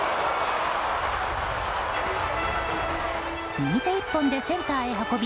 右手１本でセンターへ運び